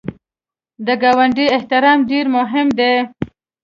د ګاونډي احترام ډېر مهم دی